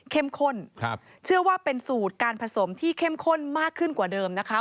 ข้นเชื่อว่าเป็นสูตรการผสมที่เข้มข้นมากขึ้นกว่าเดิมนะคะ